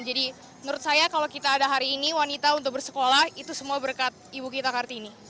jadi menurut saya kalau kita ada hari ini wanita untuk bersekolah itu semua berkat ibu kita kartini